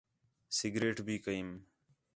سگریٹ بھی کیئم